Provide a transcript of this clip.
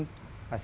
pasti akan berhasil